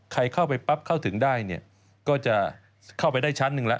เข้าไปปั๊บเข้าถึงได้เนี่ยก็จะเข้าไปได้ชั้นหนึ่งแล้ว